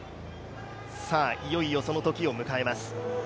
いよいよその時を迎えます。